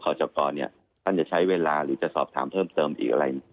เกี่ยวกับขอจับกรท่านจะใช้เวลาหรือจะสอบถามเพิ่มเติมอีกอะไร